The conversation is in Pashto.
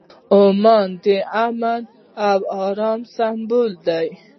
عمان د امن او ارام سمبول دی.